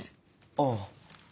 ああ。